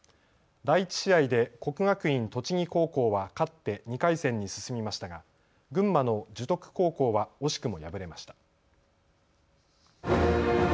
第１試合で国学院栃木高校は勝って２回戦に進みましたが群馬の樹徳高校は惜しくも敗れました。